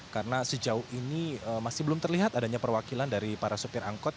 karena sejauh ini masih belum terlihat adanya perwakilan dari para supir angkot